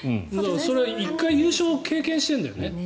１回、優勝を経験しているんだよね。